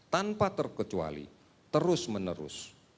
tanpa terkecuali terus menerus